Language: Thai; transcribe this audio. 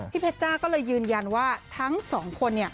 เพชรจ้าก็เลยยืนยันว่าทั้งสองคน